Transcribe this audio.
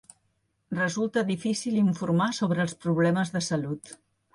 Resulta difícil informar sobre els problemes de salut.